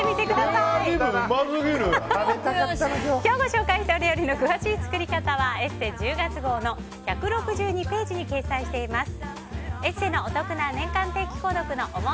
今日ご紹介したお料理の詳しい作り方は「ＥＳＳＥ」１０月号の１６２ページに掲載しています。